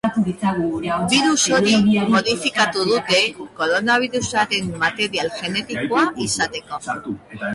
Birus hori modifikatu dute koronabirusaren material genetikoa izateko.